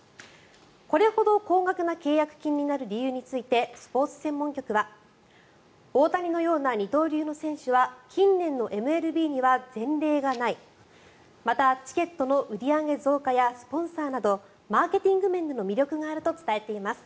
これほど高額な契約金になる理由について、スポーツ専門局は大谷ような二刀流の選手は近年のＭＬＢには前例がないまた、チケットの売り上げ増加やスポンサーなどマーケティング面での魅力があると伝えています。